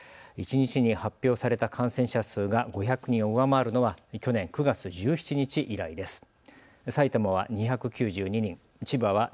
一日に発表された感染者数が５００人を上回るのは去年９月１７日以来です。